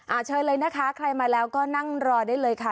เชิญเลยนะคะใครมาแล้วก็นั่งรอได้เลยค่ะ